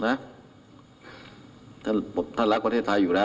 นายยกรัฐมนตรีพบกับทัพนักกีฬาที่กลับมาจากโอลิมปิก๒๐๑๖